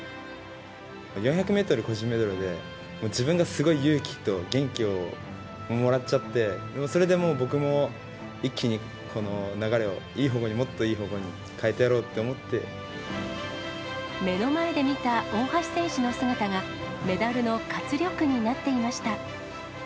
４００メートル個人メドレーで、自分がすごい勇気と元気をもらっちゃって、それでもう、僕も一気に流れをいい方向に、もっといい方向に変えてやろうっ目の前で見た、大橋選手の姿が、メダルの活力になっていました。